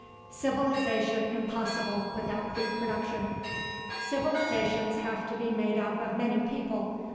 CIVILIZATION IMPOSSIBLE WITHOUT FOOD PRODUCTION Civilizations have to be made up of many people.